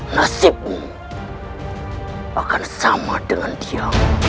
nasibku akan sama dengan dia